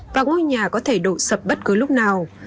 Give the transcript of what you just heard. và ngôi nhà có thể đổ sập bất cứ lúc nào